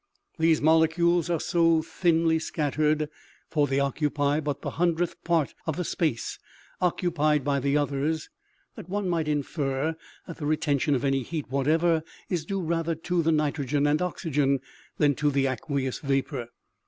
These mole cules are so thinly scattered (for they occupy but the hundredth part of the space occupied by the others), that one might infer that the retention of any heat whatever is due rather to the nitrogen and oxygen than to the aqueous vapor.